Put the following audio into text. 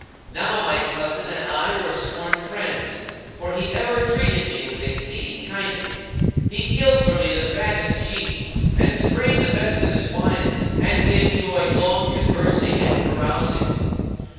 Now my cousin and I were sworn friends; for he ever entreated me with exceeding kindness; he killed for me the fattest sheep and strained the best of his wines, and we enjoyed long conversing and carousing.